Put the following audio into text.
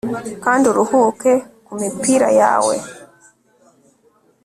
Kandi uruhuke ku mipira yawe